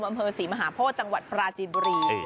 อำเภอศรีมหาโพธิจังหวัดปราจีนบุรี